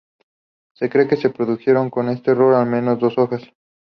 Se cree que se produjeron con este error al menos dos hojas.